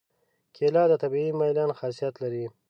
کېله د طبیعي ملین خاصیت لري.